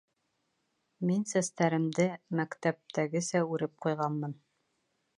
Мин сәстәремде мәктәптәгесә үреп ҡуйғанмын.